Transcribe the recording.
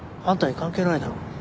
あんたに関係ないだろ。